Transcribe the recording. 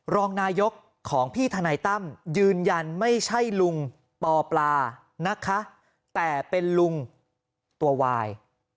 รองนายกของพี่ธนายตั้มยืนยันไม่ใช่ลุงปอปลานะคะแต่เป็นลุงตัววาย